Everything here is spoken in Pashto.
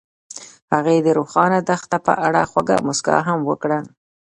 هغې د روښانه دښته په اړه خوږه موسکا هم وکړه.